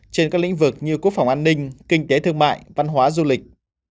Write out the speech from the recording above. trên các lĩnh vực như quốc phòng an ninh kinh tế thương mại văn hóa du lịch